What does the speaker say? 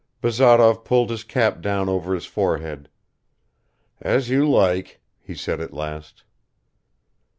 Bazarov pulled his cap down over his forehead. "As you like," he said at last.